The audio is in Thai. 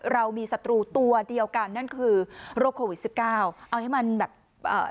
เรามีศัตรูตัวเดียวกันนั่นคือโรคโควิดสิบเก้าเอาให้มันแบบเอ่อ